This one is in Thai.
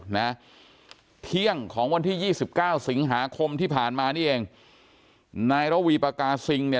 นะเที่ยงของวันที่ยี่สิบเก้าสิงหาคมที่ผ่านมานี่เองนายระวีปากาซิงเนี่ย